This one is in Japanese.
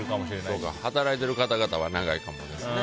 そうか、働いてる方々は長いかもですね。